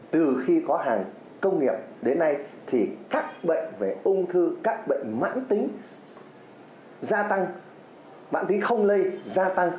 từ khi có hàng công nghiệp đến nay thì các bệnh về ung thư các bệnh mãn tính gia tăng mạng tính không lây gia tăng